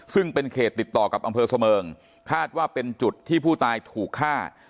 ซึ่งเป็นเขตติดต่อกับอำเภอเสมิงคาดว่าเป็นจุดที่ผู้ตายถูกฆ่า